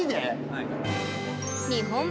はい。